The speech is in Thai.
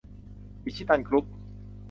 อิชิตัน กรุ๊ป